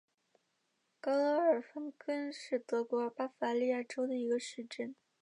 格罗尔芬根是德国巴伐利亚州的一个市镇。